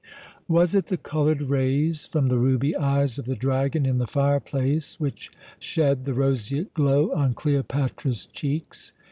Was it the coloured rays from the ruby eyes of the dragon in the fireplace which shed the roseate glow on Cleopatra's cheeks?